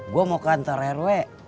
gue mau kantor rw